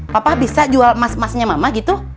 papa bisa jual emas emasnya mama gitu